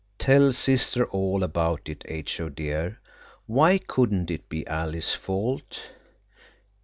"Tell sister all about it, H.O. dear. Why couldn't it be Alice's fault?"